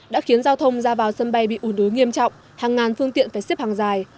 đã khiến giao thông ra vào sân bay bị ủ đối nghiêm trọng hàng ngàn phương tiện phải xếp hàng dài